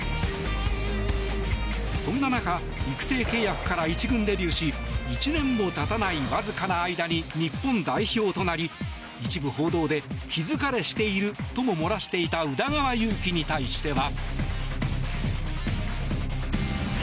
そんな中育成契約から１軍デビューし１年も経たないわずかな間に日本代表となり一部報道で気疲れしているとも漏らしていた宇田川優希に対しては。